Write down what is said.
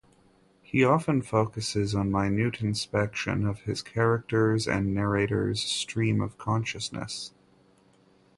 He often focuses on minute inspection of his characters' and narrators' stream of consciousness.